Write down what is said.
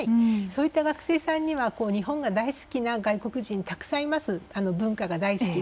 そういった学生さんには日本が大好きな外国人たくさんいます、文化が大好き。